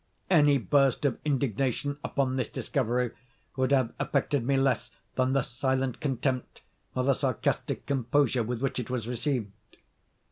Any burst of indignation upon this discovery would have affected me less than the silent contempt, or the sarcastic composure, with which it was received.